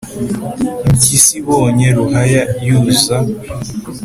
impyisi ibonye ruhaya yuza,